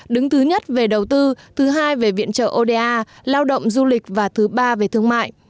đứng thứ nhất về đầu tư thứ hai về viện trợ oda lao động du lịch và thứ ba về thương mại